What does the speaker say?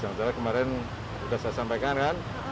jangan salah kemarin sudah saya sampaikan kan